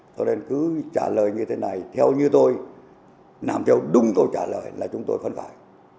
cho nên cứ trả lời như thế này theo như tôi làm theo đúng câu trả lời là chúng tôi phấn khởi